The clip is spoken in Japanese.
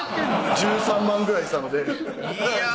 １３万ぐらいしたのでいや